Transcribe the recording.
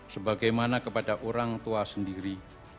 sebagaimana kepada orang tua sendiri